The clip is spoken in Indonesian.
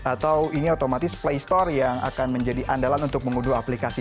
atau ini otomatis play store yang akan menjadi andalan untuk mengunduh aplikasi